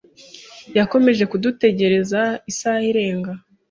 Yakomeje kudutegereza isaha irenga.